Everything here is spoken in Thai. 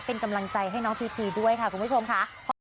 เป็นกำลังใจให้น้องพีพีด้วยค่ะคุณผู้ชมค่ะ